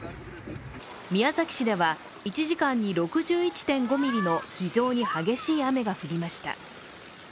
宮崎市では１時間に６１．５ミリの非常に激しい雨が降りました。